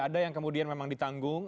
ada yang kemudian memang ditanggung